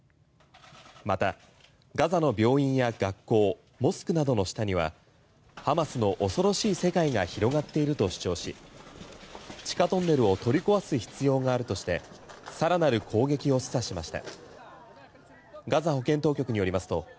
またガザの病院や学校モスクなどの下には、ハマスの恐ろしい世界が広がっていると主張し地下トンネルを取り壊す必要があるとして更なる攻撃を示唆しました。